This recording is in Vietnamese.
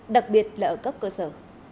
đặc biệt là ở cấp cơ sở